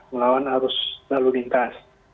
melawan arus lalu lintas